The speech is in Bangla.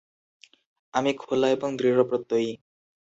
আমি খোলা এবং দৃঢ়প্রত্যয়ী।